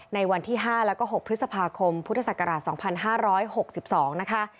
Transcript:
ในวันที่ห้าแล้วก็หกพฤษภาคมพุทธศักราชสองพันห้าร้อยหกสิบสองนะคะ